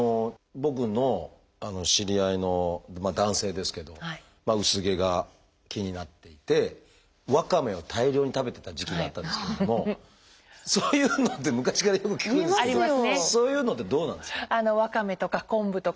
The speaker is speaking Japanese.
僕の知り合いの男性ですけど薄毛が気になっていてワカメを大量に食べてた時期があったんですけれどもそういうのって昔からよく聞くんですけどそういうのってどうなんですか？